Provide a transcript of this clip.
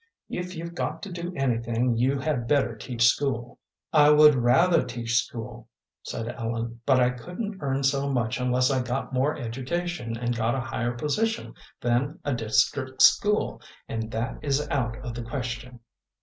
If you've got to do anything, you had better teach school." "I would rather teach school," said Ellen, "but I couldn't earn so much unless I got more education and got a higher position than a district school, and that is out of the question."